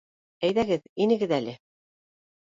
— Әйҙәгеҙ, инегеҙ әле